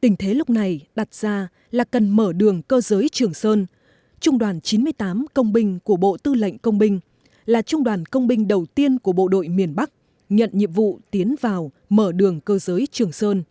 tình thế lúc này đặt ra là cần mở đường cơ giới trường sơn trung đoàn chín mươi tám công binh của bộ tư lệnh công binh là trung đoàn công binh đầu tiên của bộ đội miền bắc nhận nhiệm vụ tiến vào mở đường cơ giới trường sơn